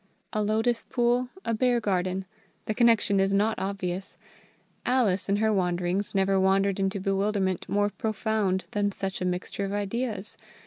A lotus pool, a bear garden the connection is not obvious. Alice in her wanderings never wandered into bewilderment more profound than such a mixture of ideas.